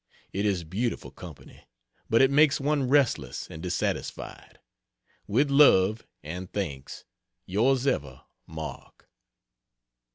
It is beautiful company, but it makes one restless and dissatisfied. With love and thanks, Yrs ever, MARK.